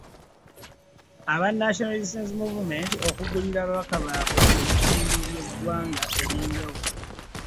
Aba National Resistance Movement okugulirira ababaka baabwe mu bitundu by'eggwanga ebyenjawulo.